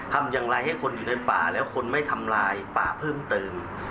ทำอย่างไรให้คนอยู่ในป่าแล้วคนไม่ทำลายป่าเพิ่มเติม